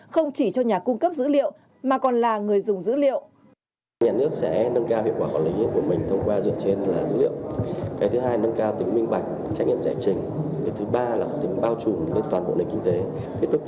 không chỉ cho nhà cung cấp dữ liệu mà còn là người dùng dữ liệu